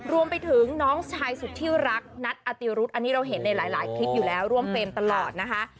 รวมไปถึงน้องชายสุดที่รักนัทอติรุธอันนี้เราเห็นในหลายคลิปอยู่แล้วร่วมเฟรมตลอดนะคะ